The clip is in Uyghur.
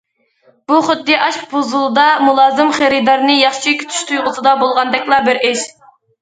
بۇ خۇددى ئاشپۇزۇلدا مۇلازىم خېرىدارنى ياخشى كۈتۈش تۇيغۇسىدا بولغاندەكلا بىر ئىش.